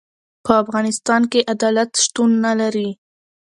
په افغانستان کي عدالت شتون نلري.